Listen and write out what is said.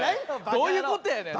どういうことやねん。